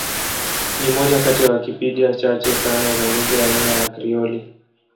Ni moja kati ya Wikipedia chache sana za lugha ya aina ya Krioli.